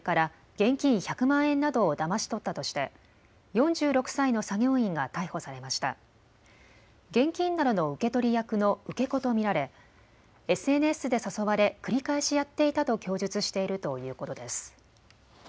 現金などの受け取り役の受け子と見られＳＮＳで誘われ繰り返しやっていたと供述しているということです。